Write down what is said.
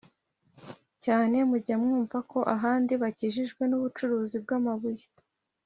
cyane. mujya mwumva ko ahandi bakijijwe n'ubucuruzi bw'amabuye